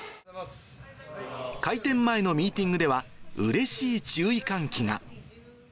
開店前のミーティングでは、うれしい注意喚起が。